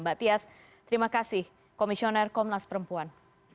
mbak tia sri terima kasih komisioner komnas perempuan